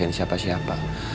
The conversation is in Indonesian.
bisa masuk rumah